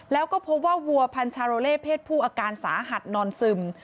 แล้วก็พบว่าวัวพันชาโรเล่เพศผู้อาการสาหัสนอนซึม